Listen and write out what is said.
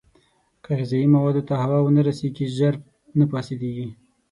که غذايي موادو ته هوا ونه رسېږي، ژر نه فاسېدېږي.